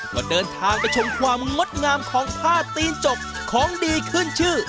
ก็เดินทางไปชมความงดงามของผ้าตีนจกของดีขึ้นชื่อ